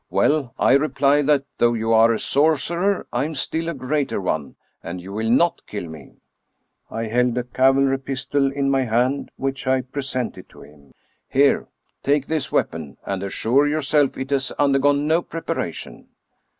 " Well, I reply, that though you are a sorcerer, I am still a greater one, and you will not kill me." S2Q True Stories of Modern Magic I held a cavalry pistol in my hand, which I presented to him. " Here, take this weapon, and assure yourself it has im dergone no preparation."